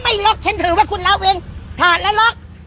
แต่คุณพ่อคุณคุณเล้าออกต้องอย่างไร